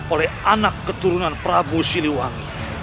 oleh anak keturunan prabu siliwangi